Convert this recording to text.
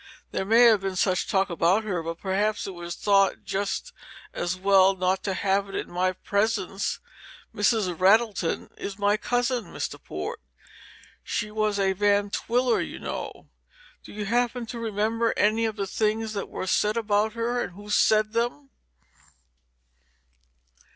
There may have been such talk about her, but perhaps it was thought just as well not to have it in my presence. Mrs. Rattleton is my cousin, Mr. Port she was a Van Twiller, you know. Do you happen to remember any of the things that were said about her, and who said them?"